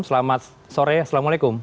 selamat sore assalamu'alaikum